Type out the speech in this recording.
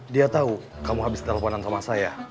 dia tahu kamu habis teleponan sama saya